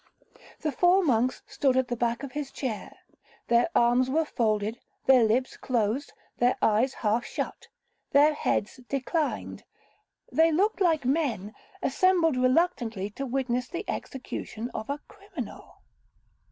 The four monks stood at the back of his chair; their arms were folded, their lips closed, their eyes half shut, their heads declined—they looked like men assembled reluctantly to witness the execution of a criminal.